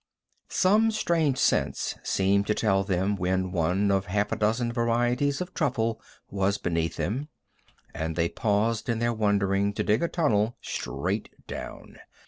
Some strange sense seemed to tell them when one of half a dozen varieties of truffle was beneath them, and they paused in their wandering to dig a tunnel straight down.